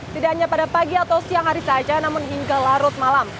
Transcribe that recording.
tidak hanya pada pagi atau siang hari saja namun hingga larut malam